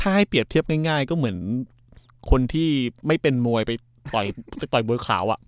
ถ้าเปรียบเทียบง่ายก็เหมือนถ้าไม่เป็นมวยไปต่อยมันบูยขาวอ่ะ